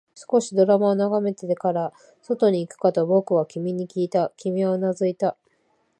少しドラマを眺めてから、外に行くかと僕は君にきいた、君はうなずいた